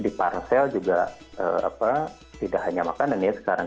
diparsel juga tidak hanya makanan ya sekarang